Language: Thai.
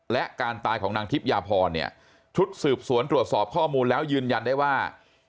และการตายของนางทิพยาพรเนี่ยชุดสืบสวนตรวจสอบข้อมูลแล้วยืนยันได้ว่า